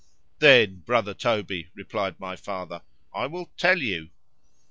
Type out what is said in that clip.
Then, brother Toby, replied my father, I will tell you.